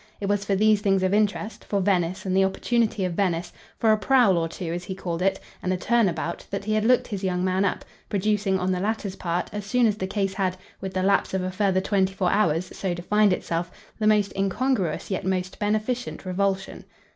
It was for these things of interest, for Venice and the opportunity of Venice, for a prowl or two, as he called it, and a turn about, that he had looked his young man up producing on the latter's part, as soon as the case had, with the lapse of a further twenty four hours, so defined itself, the most incongruous, yet most beneficent revulsion.